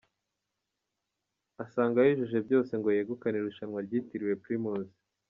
Asanga yujuje byose ngo yagukane irushanwa ryitiriwe Primus.